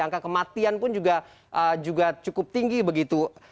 angka kematian pun juga cukup tinggi begitu